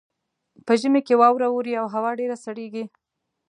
په ژمي کې واوره اوري او هوا ډیره سړیږي